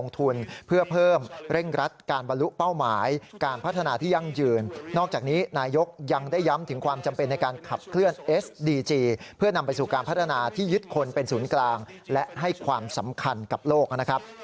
สู่การพัฒนาที่ยึดคนเป็นศูนย์กลางและให้ความสำคัญกับโลกนะครับ